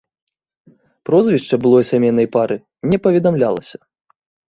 Прозвішча былой сямейнай пары не паведамлялася.